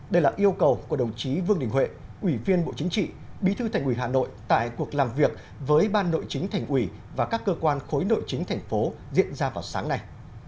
đây là yêu cầu của đồng chí vương đình huệ ủy viên bộ chính trị bí thư thành ủy hà nội tại cuộc làm việc với ban nội chính thành ủy và các cơ quan khối nội chính thành phố diễn ra vào sáng nay